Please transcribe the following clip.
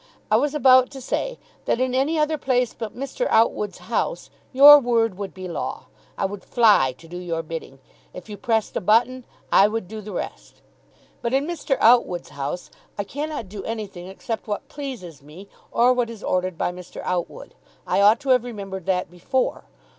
I was about to say that in any other place but Mr. Outwood's house, your word would be law. I would fly to do your bidding. If you pressed a button, I would do the rest. But in Mr. Outwood's house I cannot do anything except what pleases me or what is ordered by Mr. Outwood. I ought to have remembered that before.